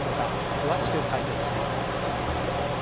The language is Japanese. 詳しく解説します。